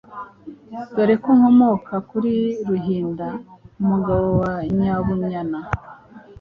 dore ko nkomoka kuri Ruhinda umugabo wa nyabunyana.